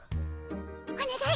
おねがい。